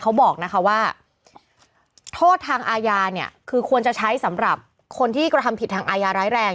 เขาบอกนะคะว่าโทษทางอาญาเนี่ยคือควรจะใช้สำหรับคนที่กระทำผิดทางอายาร้ายแรง